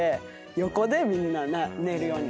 横でみんな寝るように。